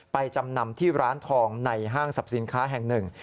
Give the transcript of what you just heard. ไปจำนำที่ร้านทองในห้างศัพท์สินค้าแห่ง๑